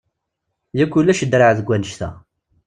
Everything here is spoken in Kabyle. Yak ulac draɛ deg wannect-a!